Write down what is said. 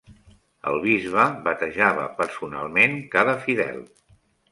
El bisbe batejava personalment cada fidel.